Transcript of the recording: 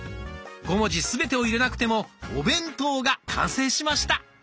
５文字すべてを入れなくても「お弁当」が完成しました。